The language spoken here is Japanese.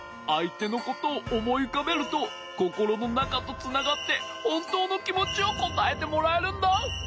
あいてのことをおもいうかべるとココロのなかとつながってほんとうのきもちをこたえてもらえるんだ。